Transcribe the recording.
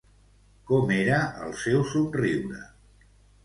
Com era el seu somriure?